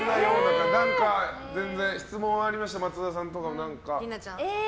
全然質問ありましたら松田さんとか何か。